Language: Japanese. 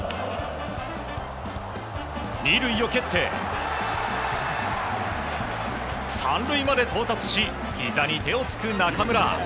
２塁を蹴って、３塁まで到達しひざに手をつく中村。